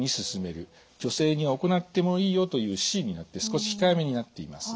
女性には行ってもいいよというＣになって少し控えめになっています。